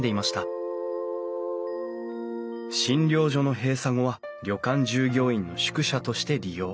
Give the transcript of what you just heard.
診療所の閉鎖後は旅館従業員の宿舎として利用。